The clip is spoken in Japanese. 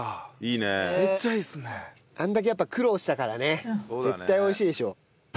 あれだけやっぱ苦労したからね絶対おいしいでしょ。